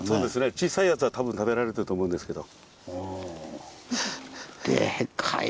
小さいやつは多分食べられてると思うんですけど。